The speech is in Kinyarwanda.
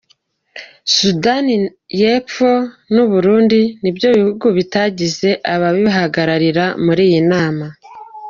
Sudani y’Epfo n’u Burundi ni byo bihugu bitagize ababihagararira muri iyi nama.